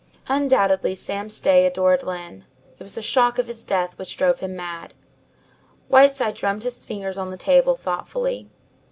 "Undoubtedly Sam Stay adored Lyne. It was the shock of his death which drove him mad." Whiteside drummed his fingers on the table, thoughtfully.